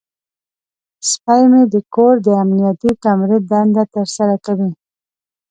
سپی مې د کور د امنیتي کامرې دنده ترسره کوي.